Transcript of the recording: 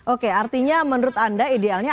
oke artinya menurut anda idealnya